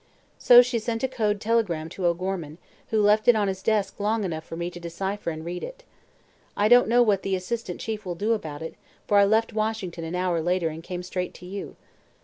So she sent a code telegram to O'Gorman, who left it on his desk long enough for me to decipher and read it. I don't know what the assistant chief will do about it, for I left Washington an hour later and came straight to you.